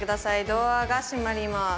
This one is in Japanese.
ドアが閉まります。